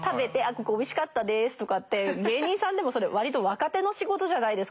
ここおいしかったですとかって芸人さんでもそれ割と若手の仕事じゃないですか。